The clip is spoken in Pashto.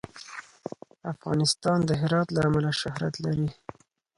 افغانستان د هرات له امله شهرت لري.